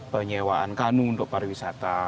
penyewaan kanu untuk parwisata